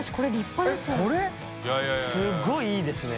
海譟すごいいいですね。